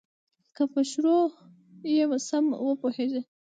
که په شروع یې سم وپوهیږې.